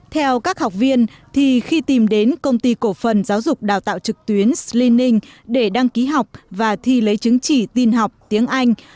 theo các học viên khi tìm đến công ty cổ phần giáo dục đào tạo trực tuyến slening để đăng ký học và thi lấy chứng chỉ tin học tiếng anh